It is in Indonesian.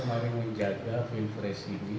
mau menjaga pilpres ini